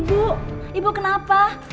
ibu ibu kenapa